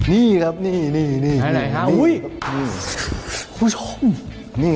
นี่ครับนี่